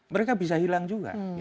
mereka bisa hilang juga